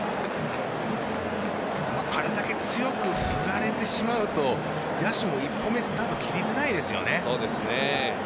あれだけ強く振られてしまうと野手も１歩目スタート切りづらいですよね。